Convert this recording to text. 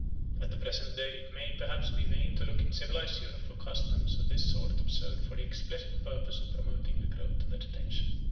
At the present day it might perhaps be vain to look in civilised Europe for customs of this sort observed for the explicit purpose of promoting the growth of vegetation.